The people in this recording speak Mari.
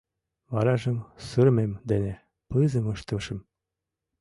Варажым сырымем дене пызым ыштышым.